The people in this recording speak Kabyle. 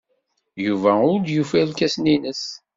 Yuba ur d-yufi irkasen-nnes.